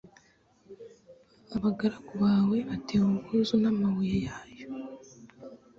Abagaragu bawe batewe ubwuzu n’amabuye yayo